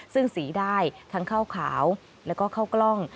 ซึ่งสีได้ทั้งข้าวขาวแล้วก็ข้าวกล้อง